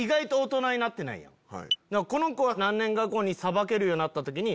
だからこの子は何年か後に捌けるようになった時に。